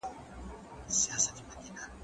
زه به اوږده موده پلان جوړ کړی وم،